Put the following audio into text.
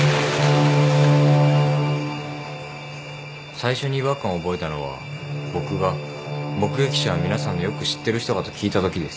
最初に違和感を覚えたのは僕が目撃者は皆さんのよく知ってる人かと聞いたときです。